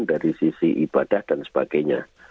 dari sisi ibadah dan sebagainya